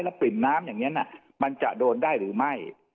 แล้วปริ่มน้ำอย่างเงี้ยน่ะมันจะโดนได้หรือไม่